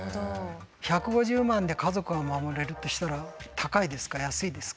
１５０万で家族が守れるとしたら高いですか安いですか。